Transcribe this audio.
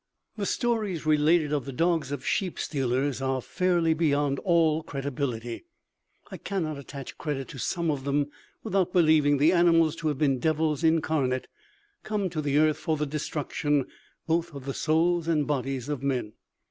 "The stories related of the dogs of sheep stealers are fairly beyond all credibility. I cannot attach credit to some of them without believing the animals to have been devils incarnate, come to the earth for the destruction both of the souls and bodies of men.